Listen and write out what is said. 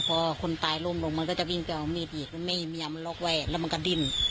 เพราะคนตายร่มลงมันก็จะวิ่งไปเอาเมฆอีกมันไม่ยินมียามล็อกแวดแล้วมันกระดิ้น